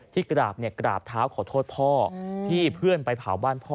ที่กระดาษเนี่ยกระดาษเท้าขอโทษพ่อที่เพื่อนไปเผาบ้านพ่อ